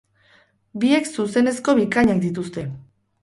Biek zuzenezko bikainak dituzte!